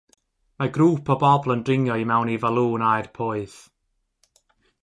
Mae grŵp o bobl yn dringo i mewn i falŵn aer poeth.